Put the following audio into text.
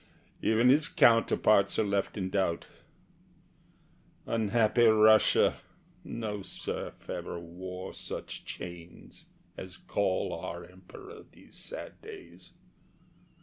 Even his counterparts are left in doubt. Unhappy Russia! No serf ever wore Such chains as gall our Emperor these sad days.